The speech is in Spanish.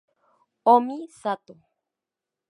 Omi Sato